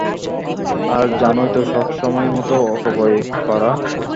আর জানোই তো, সবসময়ের মতো অপব্যয় করা।